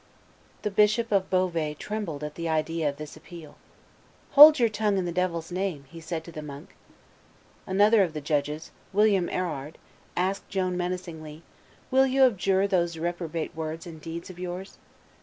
The Bishop of Beauvais trembled at the idea of this appeal. "Hold your tongue in the devil's name!" said he to the monk. Another of the judges, William Erard, asked Joan menacingly, "Will you abjure those reprobate words and deeds of yours?"